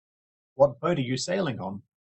What boat you sailing on?